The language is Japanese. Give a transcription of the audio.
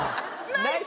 ナイス。